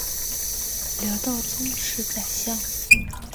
珀金斯维尔是位于美国亚利桑那州亚瓦派县的一个非建制地区。